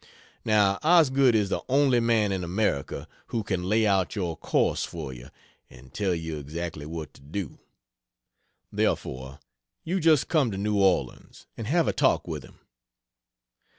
Now Osgood is the only man in America, who can lay out your course for you and tell you exactly what to do. Therefore, you just come to New Orleans and have a talk with him.